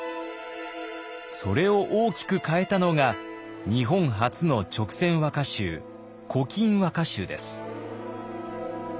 それを大きく変えたのが日本初の勅撰和歌集「古今和歌集」です。